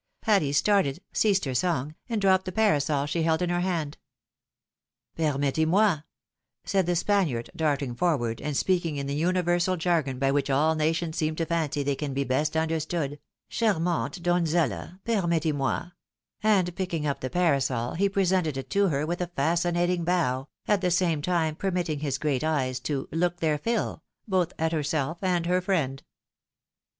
Patty started, ceased her song, and dropped the parasol she held in her hand. " Permettez moi," said the Spaniard, darting forward, and speaking in the universal jargon by which all nations seem to fancy they can be best understood, " charmante donzella! per Tuettez moi; " and picking up the parasol, he presented it to hoi' ■with a fascinating bow, at the same time permitting his great eyes to " look their fill," both at herself and her friend.